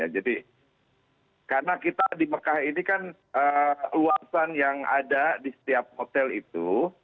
jadi karena kita di mekah ini kan luasan yang ada di setiap hotel itu